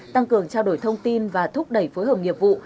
tăng cường trao đổi thông tin và thúc đẩy phối hợp nghiệp vụ